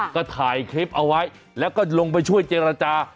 ก็ถ่ายคลิปเอาไว้แล้วก็ลงไปช่วยเจรจา